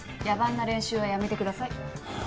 野蛮な練習はやめてください。